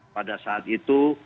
pada saat itu